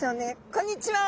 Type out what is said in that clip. こんにちは。